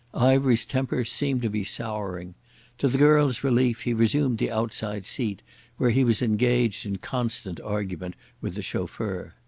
Ivery's temper seemed to be souring. To the girl's relief he resumed the outside seat, where he was engaged in constant argument with the chauffeur.